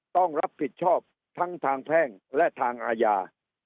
ต้องรับผิดชอบทั้งทางแพ่งและทางอาญา